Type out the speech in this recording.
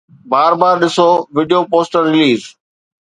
بار بار ڏسو video poster release